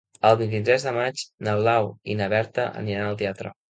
El vint-i-tres de maig na Blau i na Berta aniran al teatre.